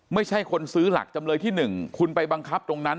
ไม่ใช่คนซื้อหลักจำเลยที่๑คุณไปบังคับตรงนั้น